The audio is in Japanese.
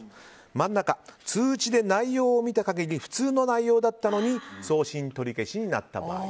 真ん中、通知で内容を見た限り普通の内容だったのに送信取り消しになった場合。